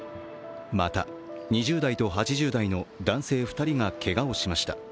また、２０代と８０代の男性２人がけがをしました。